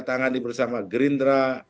tangan bersama gerindra